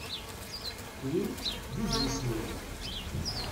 Wi d idlisen-iw.